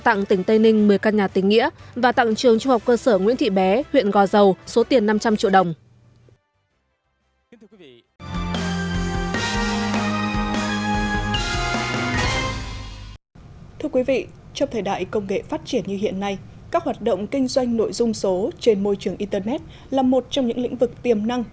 trên môi trường internet là một trong những lĩnh vực tiềm năng